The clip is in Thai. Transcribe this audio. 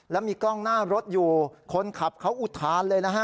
แล้วมีกล้องหน้ารถอยู่คนขับเขาอุทานเลยนะฮะ